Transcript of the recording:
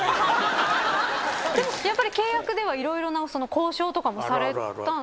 でもやっぱり契約では色々な交渉とかもされたんですよね？